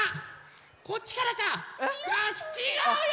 ちがうよ！